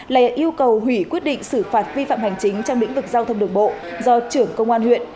là yêu cầu hủy quyết định xử phạt vi phạm hành chính trong lĩnh vực giao thông đường bộ do trưởng công an huyện